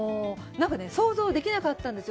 なんか想像できなかったんですよ。